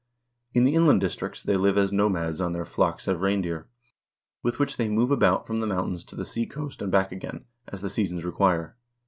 In the inland districts they live as nomads on their flocks of reindeer, with which they move about from the mountains to the seacoast and back again, as the seasons require.